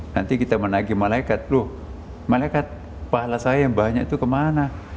nanti kita menagi malaikat loh malaikat pahala saya yang banyak itu kemana